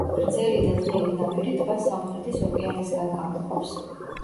გრძელი და თხელი ნაპირი ტბას სამხრეთის ოკეანისგან გამოყოფს.